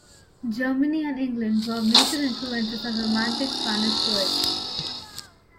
Germany and England were major influences on Romantic Spanish poetry.